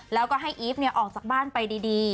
แล้วก็ให้อีฟออกจากบ้านไปดี